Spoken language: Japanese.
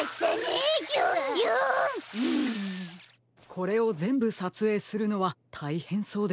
これをぜんぶさつえいするのはたいへんそうですね。